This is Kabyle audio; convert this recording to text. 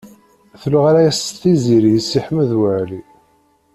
Tluɛa-yas Tiziri i Si Ḥmed Waɛli.